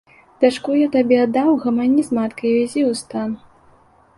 Дачку я табе аддаў, гамані з маткай і вязі ў стан.